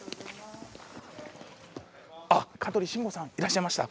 あっ香取慎吾さんいらっしゃいました。